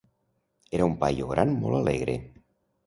Era un paio gran molt alegre.